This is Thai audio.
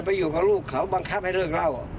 ถ้าอยู่ก็บังคับให้เริ่มเลิกแล้ว